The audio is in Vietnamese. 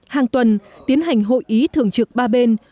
hàng tuần tiến hành hội ý thường trực ba bên